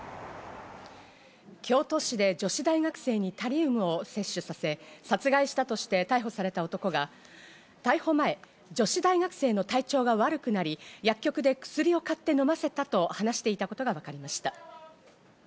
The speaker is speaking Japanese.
京都市で女子大学生にタリウムを摂取させ、殺害したとして逮捕された男が逮捕前、女子大学生の体調が悪くなり薬局で薬を買って飲ませたと話していたことがわかりました。